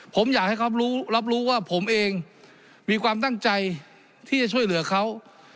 ผมอยากให้เขารู้รับรู้ว่าผมเองมีความตั้งใจที่จะช่วยเหลือเขา